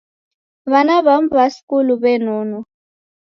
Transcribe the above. W'ana w'amu w'a skulu w'enonwa.